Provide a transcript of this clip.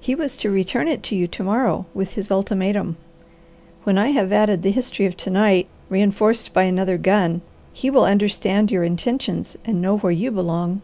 He was to return it to you to morrow with his ultimatum. When I have added the history of to night, reinforced by another gun, he will understand your intentions and know where you belong.